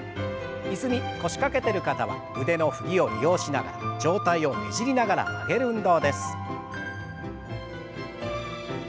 椅子に腰掛けてる方は腕の振りを利用しながら上体をねじりながら曲げる運動です。